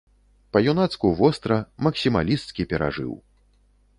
Па-юнацку востра, максімалісцкі перажыў.